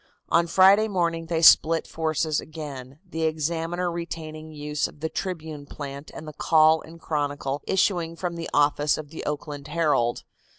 On Friday morning they split forces again, the Examiner retaining the use of the Tribune plant and the Call and Chronicle issuing from the office of the Oakland Herald.